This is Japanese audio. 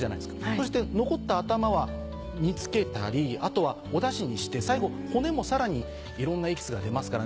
そして残った頭は煮付けたりあとはおダシにして最後骨もさらにいろんなエキスが出ますからね